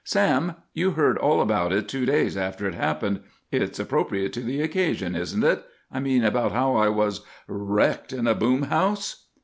Sam, you heard all about it two days after it happened. It's appropriate to the occasion, isn't it? I mean about how I was— 'WRECKED IN A BOOM HOUSE.